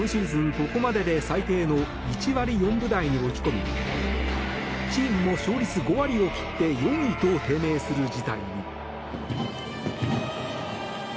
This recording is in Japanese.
ここまでで最低の１割４分台に落ち込みチームも勝率５割を切って４位と低迷する事態に。